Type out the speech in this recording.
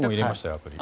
アプリ。